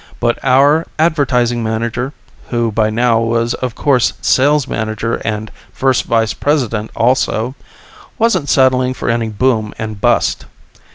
But our Advertising Manager, who by now was of course Sales Manager and First Vice President also, wasn't settling for any boom and bust.